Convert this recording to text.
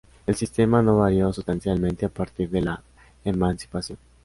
El sistema no varió sustancialmente a partir de la emancipación.